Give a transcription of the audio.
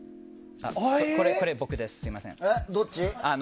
どっち？